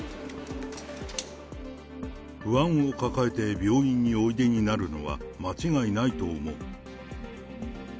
不安を抱えて病院においでになるのは間違いないと思う。